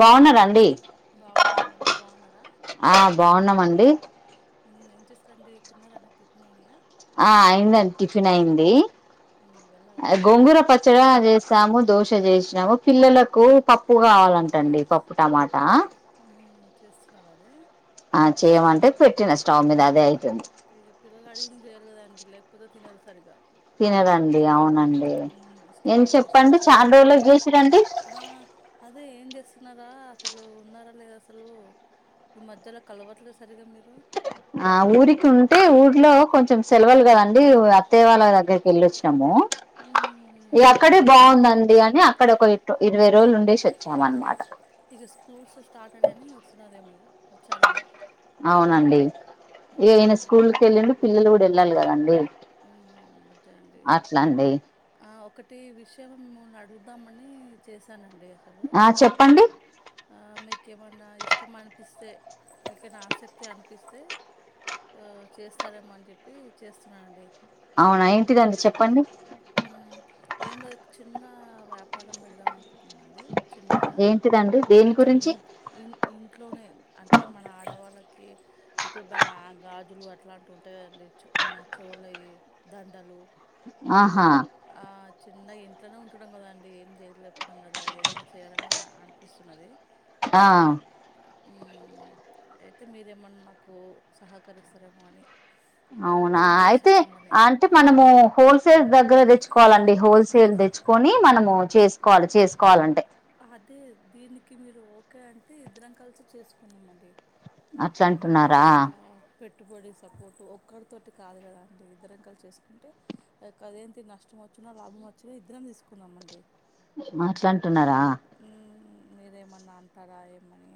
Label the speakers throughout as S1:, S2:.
S1: బావున్నర అండి
S2: బాగున్నామండి మీరు బాగున్నారా
S1: ఆ బాగున్నామండి
S2: ఉ ఏం చేస్తున్నారండి తిన్నారండి టిఫిన్ అయినాయా
S1: ఆ అయిందండి టిఫిన్ అయింది
S2: మ్మ్, వెళ్ళారా
S1: ఆ
S2: పిల్లలు
S1: గోంగూర
S2: అందరూ
S1: పచ్చడా చేసాము దోశ చేసినాము పిల్లలకు పప్పు కావాలంటండి పప్పు టమాటా
S2: ఉ చేస్తున్నార అది
S1: ఆ చేయమంటే పెట్టిన స్టవ్ మీద అదే అయి
S2: ఇక పిల్లలు అడిగిన చేయాలి కదండి లేకపోతే తినరు సరిగా
S1: తినరండి అవునండి ఏం
S2: ఇష్టమైన చేస్తేనే
S1: చెప్పండి
S2: సరే
S1: చాలా రోజులకి చేసిరండి
S2: ఆ అదే ఏం చేస్ వస్తున్నారా అసలు ఉన్నారా లేదా అసలు ఈ మధ్యలో కలవట్లేదు సరిగా మీరు
S1: ఆ ఊరికి ఉంటే ఊర్లో కొంచెం సెలవులు కద అండి అత్తయ వాళ్ళ దగ్గరికి వెళ్ళి వచ్చినాము అక్కడే బాగుందండి అని అక్కడ ఒక ఇరవై రోజులు ఉండేసి వచ్చాం అనమాట
S2: ఇక స్కూల్స్ స్టార్ట్ అనాయని వస్తున్నారు ఏమట
S1: అవునండి ఇక ఈయన
S2: మ్మ్
S1: స్కూల్కి వెళ్ళిండు పిల్లలు కూడా వెళ్ళ వెళ్లాలి కదండి
S2: అదే అండి
S1: అట్లా అండి
S2: ఆ ఒకటి ఈ విషయము అడుగుదామని చేస్ సానండి అసలు
S1: ఆ చెప్పండి
S2: ఆ మీ మీకేమన్నా ఇష్టం అనిపిస్తే మీకైనా ఆసక్తి అనిపిస్తే ఆ చేస్తారేమో అని చెప్పి చేస్తున్నానండి
S1: అవునా ఏంటిదన్ చెప్
S2: ఉ ఏం లే చిన్న వ్యాపారం పెడదామనుకున్ మండి చిన్నగా
S1: ఏంటిదండి దేని గురించి
S2: ఇ ఇంట్లోనే అంటే మన ఆడవాళ్ళకి ఇప్పుడు బ గాజులు అట్లాంటివి ఉంటాయండి చోల చోలవి దండలు
S1: ఆహా
S2: న్న ఇంట్లోనే ఉంటడం కదా అండి ఏం చేయలేపోడం కదా ఏదైనా చేయాలని అనిపిస్తున్నది
S1: ఆ
S2: మ్మ్ అయితే మీరేమన్నా నాకు సహకరిస్తారేమో అని
S1: అవునా
S2: ఇద్దరం కలిసి
S1: అయితే
S2: చేద్దామని
S1: అంటే మనము హోల్సేల్ దగ్గర తెచ్చు కోవాలండి హోల్సేల్ తెచ్చుకొని మనము చేసుకోవాలి చేసుకోవాలంటే
S2: అదే దీనికి మీరు ఓకే అంటే ఇద్దరం కలిసి చేసుకుందం అండి
S1: అట్ల అంటున్నారా
S2: పెట్టుబడి సపోర్టు ఒక్కరితోటి కాదు కదా అంటే ఇద్దరం కలిసి చేసుకుంటే అదేంటి నష్టం వచ్చినా లాభం వచ్చినా ఇద్దరం తీసుకుందాంమండి
S1: మాట్లంటున్నారా
S2: మీరేమన్నా అంటారా ఏమని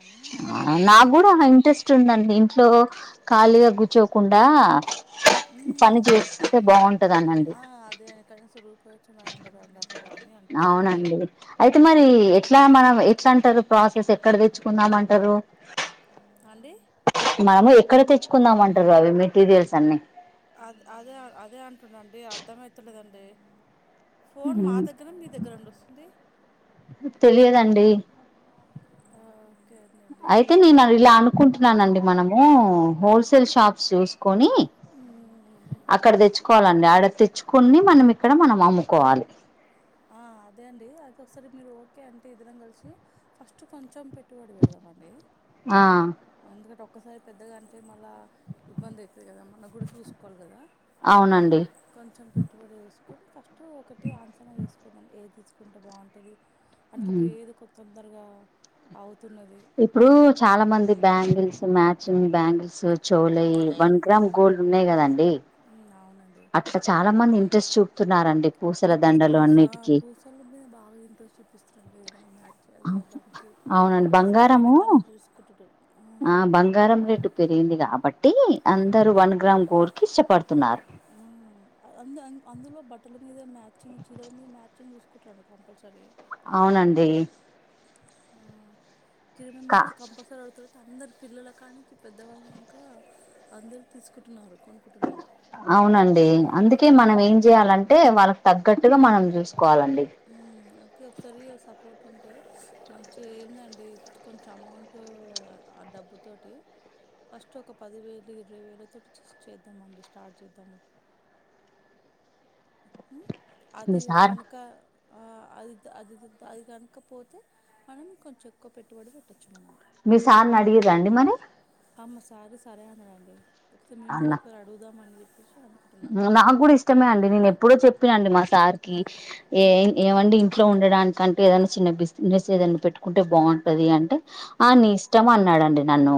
S2: అని అడుగుదాం
S1: నాకు కూడా
S2: అనుకుంటున్నాండి
S1: ఇంట్రెస్ట్ ఉందండి ఇంట్లో ఖాళీగా కూర్చోకుండా
S2: ఉమ్
S1: పని చేస్తే బాగుంటదనండి
S2: ఆ అదే కనీసం రూపాయి వచ్చి నయం కదండి అసలు అని అనిపిస్తున్నది
S1: అవునండి అయితే మరి ఎట్లా మనం ఎట్లా అంటారు ప్రాసెస్ ఎక్కడ తెచ్చుకుందామంటారు
S2: అండి
S1: మనము ఎక్కడ తెచ్చుకుందామ అంటారు అవి మెటీరియల్స్ అన్ని
S2: అదే అదే అదే అంటుండండి అర్థమవుతలేదండి ఫోన్ మా
S1: మ్,
S2: దగ్గర మీ దగ్గర ఉండి వస్తుంది
S1: తెలియదండి
S2: ఓకే
S1: అయితే నేను ఇలా అనుకుంటున్నానండి మనము హోల్ సేల్ షాప్ చూసుకొని
S2: ఉమ్
S1: అక్కడ తెచ్చుకోవాలి కొన్ని ఆడ తెచ్చుకుని మనం ఇక్కడ మనం అమ్ముకోవాలి
S2: ఆ అదే అండి అయిది ఒకసారి మీరు ఓకే అంటే ఇదరం కలిసి ఫస్ట్ కొంచెం పెట్టుబడి పెడదామండి ఆ అందు ఒకసారి పెద్దగా అంటే మళ్ళీ ఇబ్బంది అవుతుంది కదా మనం కూడా చూసుకోవాలి కదా
S1: అవునండి
S2: కొంచెం పెట్టుబడి వేసుకొని ఫస్ట్ ఒకటి ఆంచన వేసుకు తీసుకుంటే బాగుంటంది అంటే
S1: మ్.
S2: ఇప్పుడు తొందరగా అది
S1: ఇప్పుడు చాలా మంది బ్యాంగిల్స్ మ్యాచింగ్ బ్యాంగిల్స్ చెవులయి వన్ గ్రామ్ గోల్డ్ ఉన్నాయి కదాండి
S2: అవునండి
S1: అట్లా చాలా మంది ఇంట్రెస్ట్ చూపుతున్నారండి పూసల దండలు అన్నిటికీ
S2: ఇంట్రస్ట్ చెప్పిస్తారు చది దానికి
S1: అవునండి
S2: సరే అయిన
S1: బంగారము
S2: కలర్ చూసుకుంటడు ఊ
S1: ఆ బంగారం రేటు పెరిగింది కాబట్టి అందరు వన్ గ్రామ్ గోల్డ్ కి ఇష్టపడుతున్నారు
S2: ఆ అ అందులో బట్టల మీద మ్యాచింగ్ చీరల మీద మ్యాచింగ్ చూసుకురండి కంపల్సరీ
S1: అవునండి
S2: దీని మీద
S1: కా
S2: మ్యాచింగ్ కంపల్సర అడుగుతారు అందరు పిల్లల కానుంచి పెద్దవాళ్ళు దక అందరు తీసుకుంటున్నారు కొనుకుంటున్నారు
S1: అవునండి అందుకే మనం ఏం చేయాలంటే వాళ్ళకి తగ్గట్టుగా మనం చూసుకో
S2: ఒకసారి సపోర్ట్ అంటే మంచిగా ఏందండి కొంచెం అమౌంటట్ ఆ డబ్బుతోటి ఫస్ట్ ఒక పదివేలు ఇరవై వేల తో జెట్ చేద్దామండి స్టార్ట్ చేద్దాము అది
S1: మీ సార్
S2: కనక ఆ అది అది అది కాకపోతే మనం కొంచెం ఎక్కువ పెట్టుబడి పెట్టచ్చు మనం
S1: మీ సార్ అడిగిండ్ర మరి
S2: అమ్మ సార్ సరే అనడండి ఒకసారి మిమ్మల్ని
S1: అన్న
S2: ఒకసారి అడుగుదాం అని చెప్పి
S1: నాకు కూడా ఇష్టమే అండి నేను ఎప్పుడో చెప్పినండి మా సార్ కి ఏ
S2: ఉమ్
S1: ఏమండి ఇంట్లో ఉండడానికి కంటే ఏదన్నా చిన్న బిజినెస్ ఏదన్నా పెట్టుకుంటే బాగుంటది అంటే ఆ నీ ఇష్టం అన్నాడడి నన్ను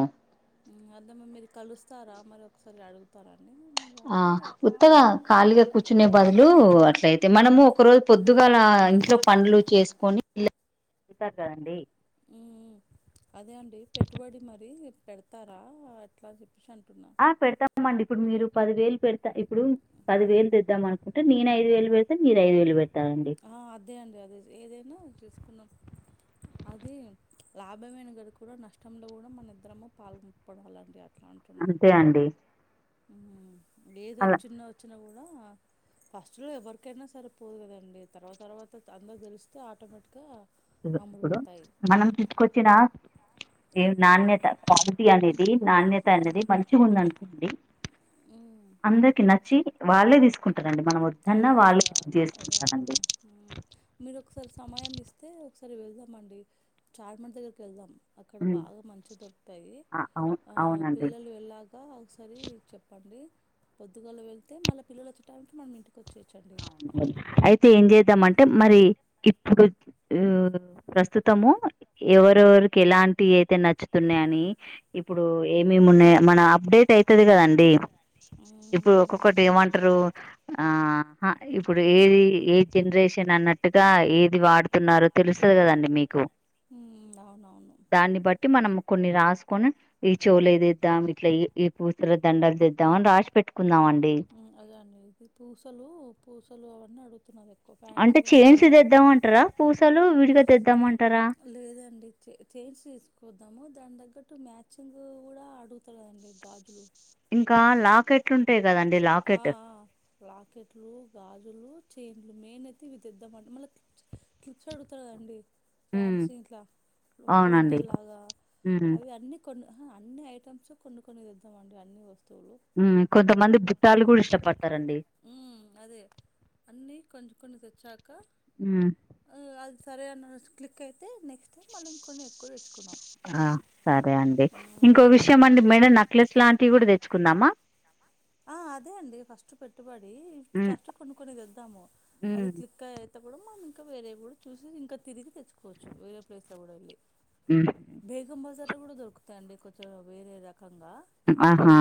S2: అదేమ్మ మీరు కలుస్తారా మరి ఒకసారి అడుగుతారా
S1: ఆ ఉత్తగా కాలిగా కుచునే బాదులు ఇప్పుడు అట్లయితే మనము ఒక రోజు పొద్దుగా ఇంట్లో పండ్లు చేసుకొని అడుగుతారు కదండి
S2: అదే అండి పెట్టుబడి మరి పెడతారా అట్లా చెప్పించం
S1: ఆ పెడతా మండి ఇప్పుడు మీరు పది వేలు పెడతా ఇప్పుడు పది వేలు తెద్దాం అనుకుంటే నేను ఐదు వేలు పెడతను మీరు ఐదు వేలు పెడతా
S2: ఆ అదే అండి అదే ఏదైనా చూసుకున్నాం అది లాభమైన కదిక కూడా నష్టంలో కూడా మన ఇద్దరము పాల్గొపోవడం అలాంటి
S1: అంతే అండి
S2: లేద
S1: అలా
S2: వచ్చన్న వచ్చిన కూడా [unintelligible] ఫస్ట్ లో ఎవరికైనా సరిపోదు కదండి తర్వా తర్వాత అందరు తెలిస్తే ఆటోమేటిక్ గా
S1: ఇప్పుడు మనం తీసుకొచ్చిన ఏ నాణ్యత క్వాలిటీ అనేది నాణ్యత అనేది మంచి ఉందనుకోండి
S2: ఉమ్
S1: అందరికి నచ్చి వాళ్ళే తీసుకుంటు
S2: అదే అక్క అదే అంటుడు అదే
S1: చేసుకుంటారండి
S2: అంటున్నా మీరు ఒకసారి సమయం ఇస్తే ఒకసారి వెళ్దా మండి చార్మినార్ దగ్గరికి వెళ్దాం అక్కడ
S1: ఉమ్,
S2: బాగా మంచి దొరుకుతాయి
S1: ఆ అవును
S2: ఆ
S1: అవునండి
S2: పిల్లలు వెళ్లాక ఒకసారి చెప్పండి పొద్దుగాళ వెళ్తే మళ్ళ పిల్లల వచ్చేటైమ్ కి మనం ఇంటి
S1: అయితే ఏం చేద్దామంటే మరి ఇప్పుడు ఆ ప్రస్తుతము ఎవరెవరికి ఎలాంటివి అయితే నచ్చుతున్నా అని ఇప్పుడు ఏమి ఏమి మున్నే మన అప్డేట్ అయితది కదండి ఇప్పుడు ఒక్కొక్కటి
S2: మ్మ్
S1: ఏమంటారు ఆ అ ఇప్పుడు ఏది ఏ జనరేషన్ అన్నట్టుగా ఏది వాడుతున్నారో తెలుస్తది కదండి మీకు
S2: ఉం అవునవును
S1: దాన్ని బట్టి మనం కొన్ని రాసుకొని ఈ చేవులవి తేద్దాం ఇట్లా పూసల దండలు తెద్దాం అని రాసి పెట్టుకుందాం అండి
S2: అదే అండి ఇ పూసలు పూసలు అవన్నీ అడుగు
S1: అంటే చెంచి ఏ తెద్దామంటరా పూసలు విడిగా తెద్దామంటారా
S2: లేదండి చేంచి తిసుకొద్దాం దాని తగ్గట్టు మ్యాచ్ మాచింగ్ కూడా అడుగుతురండి గాజులు
S1: ఇంకా లాకెట్ లుంటై కదండి
S2: ఆ ఆ లాకెట్లు గాజులు చైన్లు మెయిన్ అయితే ఇవిదిద్దామంటే మళ్ళీ క్లిప్స్ అడుగుతురండి
S1: ఉమ్
S2: ఫ్యాన్స ఇంట్లా
S1: అవునండి
S2: పోంటెలాగా
S1: ఉమ్
S2: అవి అన్నీ కొన్ని [unintelligible] అన్ని ఐటమ్స్ కొన్ని కొన్నితెద్దాం అండి అన్ని వద్దు
S1: ఉం కొంతమంది బుట్టాలు కూడా ఇష్టపడతారండి
S2: ఉం అదే అన్నీ కొంచం కొన్ని తెచ్చా అక్క
S1: ఉమ్
S2: అది సరే అన్న క్లిక్ యితే అయితె నెక్స్ట్ మళ్ళ ఇం కొన్ని ఎక్కువ తెచ్చుకున్నాం
S1: ఆ సరే అండి ఇంకో విషయం అండి మేడం నక్లెస్ లాంటివి కూడా తెచ్చుకుందామా
S2: ఆ అదే అండి ఫస్ట్ పెట్టుబడి
S1: ఉమ్
S2: ఫస్ట్ కొన్ని కొన్ని తెద్దా ము అది
S1: ఉమ్
S2: క్లిక్ అయితే అపుడు మనం ఇంకా వేరేయి కూడా చూసి ఇంకా తిరిగి తెచ్చుకోవచ్చు వేరే ప్లేస్ లో కూడా వెళ్ళి
S1: ఉమ్
S2: బేగం బజారు కూడా దొరుకుతాయిడి కొంచెం వేరే రకంగా
S1: ఆహా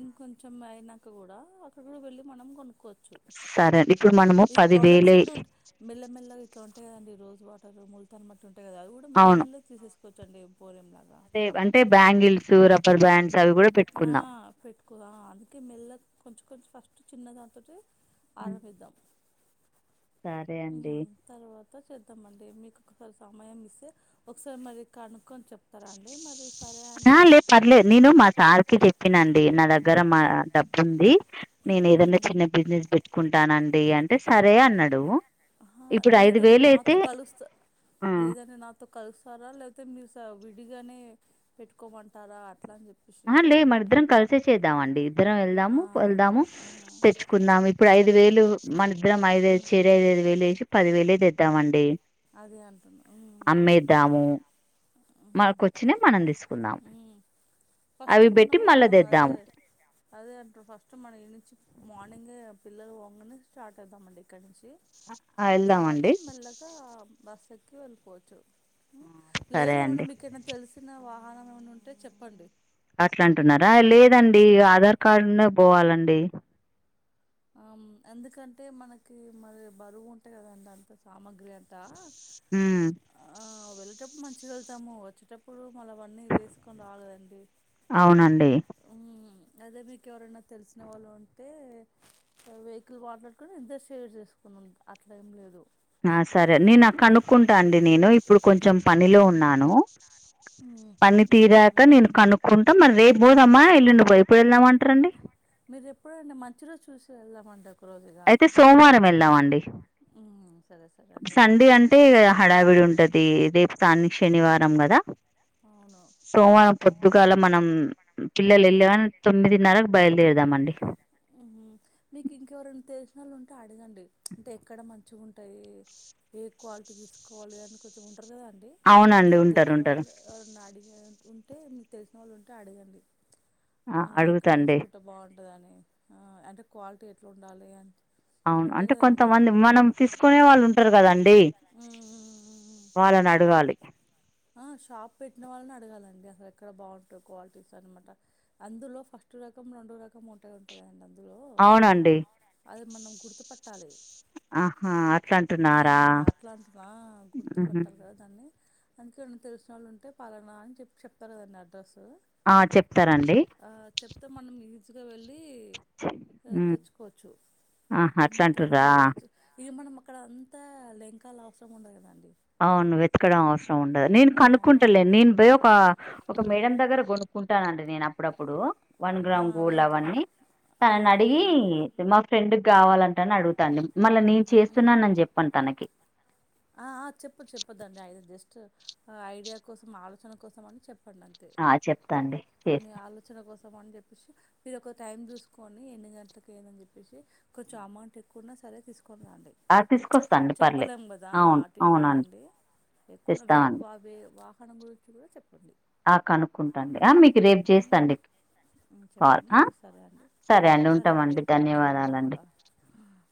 S2: ఇంకొంచం అయినాక కూడా అక్కడ కూడా వెల్లి మనం కొనుక్కవచ్చు
S1: సరే అండి. ఇప్పుడు మనము
S2: ఇది
S1: పది
S2: ప్రోడక్ట్స్
S1: వేలై
S2: కూడా ఉంటా మెల్లమెల్లగా ఇట్లా ఉంటాయి కదండి రోజ్ వాటర్ ముల్తాను మట్టి ఉంటా కదా అది కూడా
S1: అవును
S2: మెల్లమెల్గా తీసేసుకోవచ్చుండి
S1: అంటే బ్యాంగిల్స్, రబ్బర్ బ్యాండ్స్ అవి కూడా
S2: ఆ
S1: పెట్టుకుందాం
S2: పెట్టుకో అందుకే మెల్ల కొంచెం కొంచెం ఫస్ట్ చిన్నదాంతోటి ఆరంబిదాం
S1: సరే అండి
S2: చేద్దామండి మీకు ఒకసారి సమయం ఇస్తే ఒకసారి మరి కనుక్కొని చె
S1: నా లే పర్లేదు
S2: ఒకరు
S1: నేను మా సార్కి చెప్పినండి నా దగ్గర మా డబ్బు ఉంది నేను
S2: మ్మ్.
S1: ఏదైన్నా చిన్న బిజినెస్ పెట్టుకుంటానండి అంటే సరే అన్నాడు
S2: ఆ
S1: ఇప్పుడు ఐదు
S2: లేదండి
S1: వేలు అయితే
S2: నాతో కలుస్తా
S1: ఆ
S2: లేదని నాతో కలుస్తారా లేకపోతే మీరు విడిగానే పెట్టుకోమంటారా అనీ
S1: ఆ లే మరి ఇద్దరం కలిసే చేద్దాం అండి ఇద్దరం
S2: ఆ
S1: వెళ్దాము వెళ్దాము
S2: ఆ
S1: తెచ్చుకుందాము ఇప్పుడు ఐదు వేలు మన ఇద్దరం ఐదుఐదు
S2: ఉమ్
S1: చేరి ఐదు ఐదు వేలు వేసి పదివేలుదిద్దామండి
S2: అదే అంటున్నా ఉమ్
S1: మనకొచ్చని మనం తీసుకుందాం
S2: ఉమ్ ఫస్ట్
S1: అవి పెట్టి
S2: మన్నమో
S1: మళ్ళా
S2: అది
S1: తెద్దాము
S2: అదే అంటారు ఫస్ట్ మనం ఇంచి మార్నింగ పిల్లలు వంగని స్టార్ట్ అవుదామండి ఇక్కడి నుంచి
S1: వెళ్దామండి
S2: క్కి వెళ్ళిపోవచ్చు లేద
S1: సరే
S2: ఏమన్నా
S1: అండి
S2: మీకే తెలిసిన వా వాహనం ఏమనా ఉంటే చెప్పండి
S1: ఎట్లా అంటున్నారా లేదండి ఆధార్ కార్డునే పోవాలండి
S2: ఎందుకంటే మనకి మరి బరువు ఉంటాయి కదండి అంత సామాగ్రి అ
S1: హ్మ్.
S2: వచ్చేటప్పుడు మంచిగెళ్తాము వచ్చేటప్పుడు మళ్ళ అన్నీ వేసుకొని రాలేదండి
S1: అవునండి
S2: మ్మ్. అదే మీకు ఎవరైనా తెలిసిన వాళ్ళు అంటే వెహికల్ మాట్లాడుకుని ఇద్దరం షేర్ చేసుకున్నా అట్లా ఏం లేదు
S1: ఆ సరే నే నాకు కనుక్కుంటా అండి నేను ఇప్పుడు కొంచెం పనిలో ఉన్నాను
S2: [unintelligible]
S1: పని
S2: మ్మ్, మ్మ్,
S1: తీరాక
S2: మ్మ్.
S1: నేను కనుక్కుంటా మరి రేపు పోదమ్మా మళ్లీ ఎల్లుండి పోదామా వెళ్ళదామ అంటారండి
S2: మీరు ఎప్పుడడి మంచి రోజు చూసి వెళ్దాండకు
S1: అయితే సోమవారం వెళ్ళామండి
S2: ఉమ్ సరే సరే అండి అదే
S1: సండే
S2: సో
S1: అంటే
S2: మనము
S1: హడావిడి ఉంటది దేపుతాన్ని శనివారం కదా
S2: అవును
S1: సోమవారం పొద్దుగాల మనం పిల్లలు వెళ్ళా
S2: ఉమ్
S1: కాని తొమ్మిదిన్నరకు బయలుదేరుదామండి
S2: మీకు ఇంకా ఎవరైనా ఉంటే అడగండి అంటే ఎక్కడ మంచిగా ఉంటాయి ఏ క్వాలిటీ తీసుకోవాలి అని కొంచెం ఉంటారు కదా అండి తె
S1: అవునండి ఉంటారు
S2: తెచ్చిన
S1: ఉంటారు
S2: వాళ్ళు ఎవరన్నా అడిగ ఉంటే మీకు తెలిసిన వాళ్ళు ఉంటే అడగండి ఇక్కడ
S1: అడుగుతాండి
S2: తీసుకుంటే బాగుంటుందిని అంటే క్వాలిటీ ఎట్లా ఉండాలి అ
S1: అవును అంటే కొంతమంది మనం తీసుకునే వాళ్ళు ఉంటారు కదండి
S2: ఉమ్ ఉమ్ ఉమ్ ఉమ్
S1: వాళ్ళని అడగాలి
S2: ఆ షాప్ పెట్టిన వాళ్ళని అడగాలండి అసలు ఎక్కడ బాగుంటుంది క్వాలిటీస్ అనమాట అందులో ఫస్ట్ అట్ రకం రెండో రకం ముటగాంటగా అందులో
S1: అవునండి
S2: అది మనం గుర్తు పట్టాలి
S1: ఆహా అట్లా
S2: ఉ
S1: అంటున్నారా
S2: అట్లాంటిన్నా
S1: ఉహు
S2: గుర్తుపట్టారు కదా దాన్ని అందుకేన్న తెలిసిన వాళ్ళు ఉంటే పాలనా అని చె చెప్తారు కదండి అడ్రస్
S1: ఆ చెప్తారండి
S2: గా వెళ్ళి
S1: ఉమ్
S2: తెచ్చు
S1: ఆహా అట్లా అంటుర్రా
S2: ఇ మ అక్కడ అంతా లంకాలు అవసరం ఉండదు కదండి
S1: ఇక్కడం అవసరం ఉండదు నేను కనుక్కుంటలే
S2: ఆ,
S1: నేను పోయ ఒక మేడం దగ్గర కొనుక్కుంటానండి నేను అప్పుడప్పుడు వన్
S2: ఆ
S1: గ్రామ్ గూళ్ళ
S2: వెళ్తు
S1: అవన్నీ
S2: ఆ
S1: తనని అడిగి మా ఫ్రెండ్ కావాలంటని అడుగుతాను మళ్ళా నేను చేస్తున్నానని చెప్పను తనకి
S2: ఆ చెప్ప చెప్పదండి ఐ జస్ట్ ఐడియా కోసం ఆలోచన కోసం అని చెప్ప అంతే
S1: ఆ చెప్తా అండి
S2: మీ
S1: చేస్తా
S2: ఆలోచన కోసం ని చెప్పేసి మీరు ఒక టైం చూసుకని ఎన్ని గంటలకుకి ఏందని చెప్పసి కొంచెం అమౌంట్ ఎక్కువన్నా సరే తీసుకుడి
S1: ఆ తీసుకొస్తా అండి పర్లే
S2: ఆటి ఇది కదా అండి ఎక్కువ
S1: తెస్తామండి
S2: వాహనం గురించి కూడా చెప్
S1: ఆ కనుక్కుంటాండి ఆ మీకు రేపు చేస్తండి
S2: చెప్పండి సరే అండి సరే అండి
S1: ఉంటామండి ధన్యవాదాలండి
S2: ధన్యవాదముంలో [unintelligible]